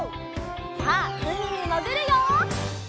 さあうみにもぐるよ！